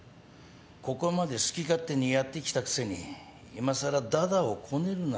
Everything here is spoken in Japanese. ここまで好き勝手にやってきたくせにいまさら駄々をこねるな。